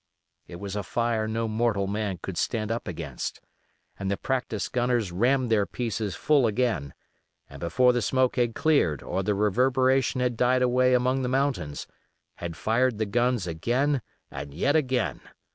It was a fire no mortal man could stand up against, and the practised gunners rammed their pieces full again, and before the smoke had cleared or the reverberation had died away among the mountains, had fired the guns again and yet again.